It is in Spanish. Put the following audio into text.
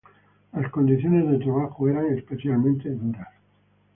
Las condiciones de trabajo eran especialmente duras.